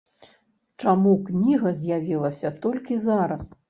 Чаму кніга з'явілася толькі зараз?